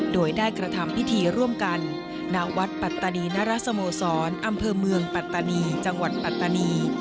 โดยได้กระทำพิธีร่วมกันณวัดปัตตานีนรสโมสรอำเภอเมืองปัตตานีจังหวัดปัตตานี